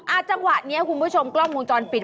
จังหวะนี้คุณผู้ชมกล้องวงจรปิด